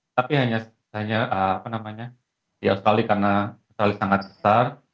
tapi hanya apa namanya di australia karena australia sangat besar